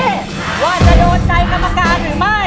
มีความขามากสักขนาดนี้ว่าจะโดนใจกรรมการหรือไม่